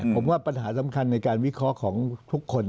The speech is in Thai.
ผมว่าปัญหาสำคัญในการวิเคราะห์ของทุกคน